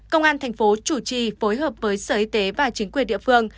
công an thành phố chủ trì phối hợp với sở y tế và chính quyền địa phương